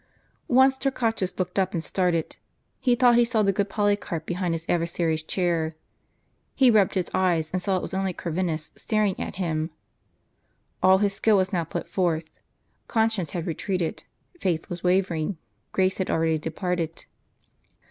Once Torquatus looked up and started. He thought he saw the good Polycarp behind his adversary's chair. He rubbed his eyes, and saw it was only Corvinus staring at him. All his skill was now put forth. Conscience had retreated ; faith was wavering; grace had already departed.